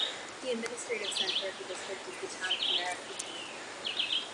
The administrative centre of the district is the town of Merak Batin.